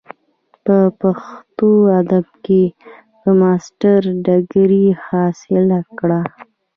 پۀ پښتو ادب کښې د ماسټر ډګري حاصله کړه ۔